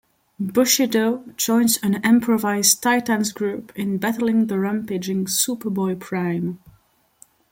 Bushido joins an improvised Titans group in battling the rampaging Superboy-Prime.